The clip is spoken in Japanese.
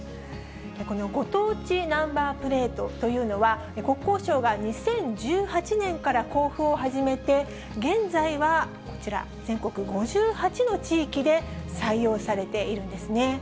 このご当地ナンバープレートというのは、国交省が２０１８年から交付を始めて、現在はこちら、全国５８の地域で採用されているんですね。